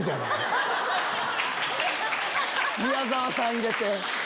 宮沢さん入れて。